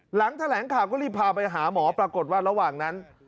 หลังแถลงข่าวก็รีบพาไปหาหมอปรากฏว่าระหว่างนั้น